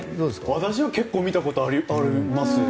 私は結構見たことありますよ。